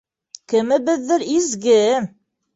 - Кемебеҙҙер изге...